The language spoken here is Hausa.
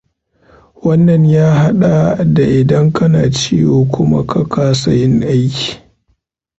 Wannan ya haɗa da idan kana ciwo kuma ka kasa yin aiki.